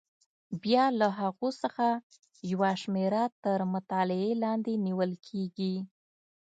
بیا له هغو څخه یوه شمېره تر مطالعې لاندې نیول کېږي.